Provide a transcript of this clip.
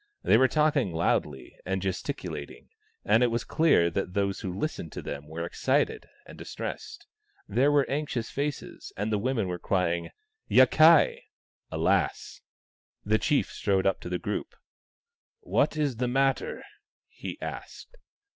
They were talk ing loudly and gesticulating, and it was clear that those who listened to them were excited and dis tressed ; there were anxious faces and the women were crying " Yakai !" (Alas !). The chief strode up to the group. " What is the matter ?" he asked.